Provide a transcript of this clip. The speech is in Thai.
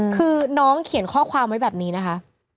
คือน้องเขียนข้อความไว้แบบนี้นะคะ